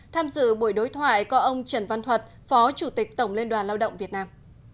tham dự buổi đối thoại có ông trần văn thuật phó chủ tịch tổng liên đoàn lao động việt nam